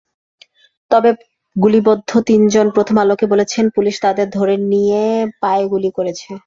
তবে গুলিবিদ্ধ তিনজন প্রথম আলোকে বলেছেন, পুলিশ তাঁদের ধরে নিয়ে পায়ে গুলি করেছে।